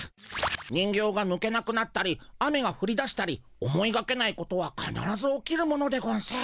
人形がぬけなくなったり雨がふりだしたり思いがけないことはかならず起きるものでゴンス。